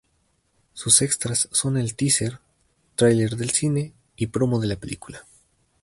Sus extras son el teaser, trailer del cine y Promo de la película.